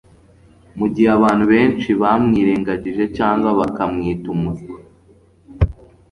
mugihe abantu benshi bamwirengagije cyangwa bakamwita umuswa